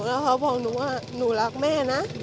แล้วเขาบอกหนูว่าหนูรักแม่นะ